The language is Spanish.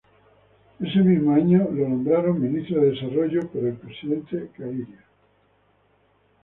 Ese mismo año fue nombrado Ministro de Desarrollo por el presidente Gaviria.